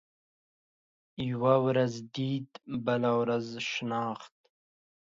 يوه ورځ ديد ، بله ورځ شناخت.